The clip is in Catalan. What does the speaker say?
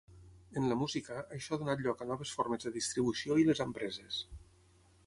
En la música, això ha donat lloc a noves formes de distribució i les empreses.